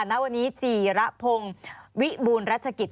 ณวันนี้จีระพงศ์วิบูรณรัชกิจ